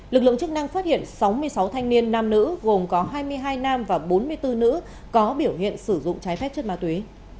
lực lượng chức năng phát hiện sáu mươi sáu thanh niên nam nữ gồm có hai mươi hai nam và bốn mươi bốn nữ có biểu hiện sử dụng trái phép chất ma túy